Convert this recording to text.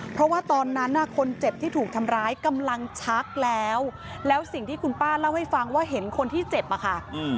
เพราะว่าตอนนั้นคนเจ็บที่ถูกทำร้ายกำลังชักแล้วแล้วสิ่งที่คุณป้าเล่าให้ฟังว่าเห็นคนที่เจ็บอะค่ะ